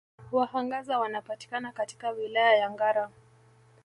Wahangaza wanapatikana katika Wilaya ya Ngara